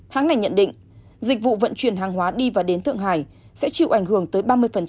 hãng này nhận định dịch vụ vận chuyển hàng hóa đi và đến thượng hải sẽ chịu ảnh hưởng tới ba mươi